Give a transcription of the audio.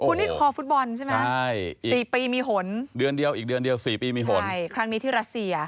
คนนี้คอฟุตบอลใช่ไหมสี่ปีมีขนอีกเดือนเดียวสี่ปีมีขนครั้งนี้ที่รัสเซีย